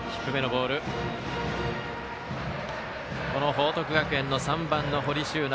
報徳学園の３番の堀柊那